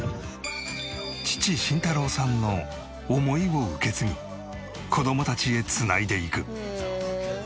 父慎太郎さんの思いを受け継ぎ子どもたちへ繋いでいく。